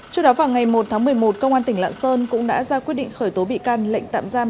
trước đó vào ngày một tháng một mươi một công an tỉnh lạng sơn cũng đã ra quyết định khởi tố bị can lệnh tạm giam